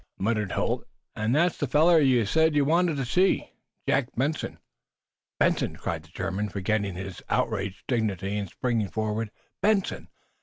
muttered Holt. "And that's the feller you said you wanted to see Jack Benson." "Benson?" cried the German, forgetting his outraged dignity and springing forward. "Benson?"